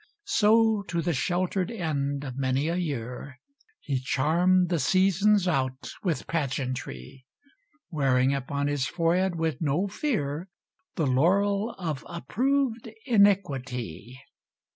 So to the sheltered end of many a year He charmed the seasons out with pageantry. Wearing upon his forehead, with no fear. The laurel of approved iniquity.